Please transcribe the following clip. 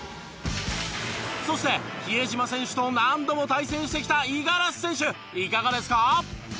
そして比江島選手と何度も対戦してきた五十嵐選手いかがですか？